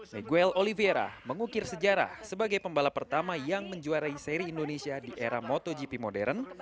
seguel oliviera mengukir sejarah sebagai pembalap pertama yang menjuarai seri indonesia di era motogp modern